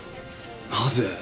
なぜ？